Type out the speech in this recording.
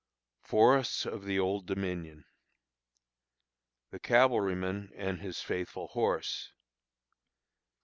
Forests of the Old Dominion. The Cavalryman and his Faithful Horse.